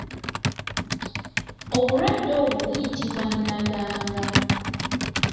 Obulwadde obwo buyitibwa naganga.